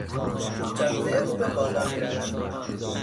جاده رو به بالا میرود.